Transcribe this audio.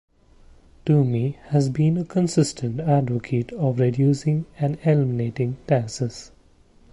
Toomey has been a consistent advocate of reducing and eliminating taxes.